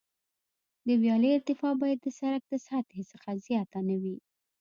د ویالې ارتفاع باید د سرک د سطحې څخه زیاته نه وي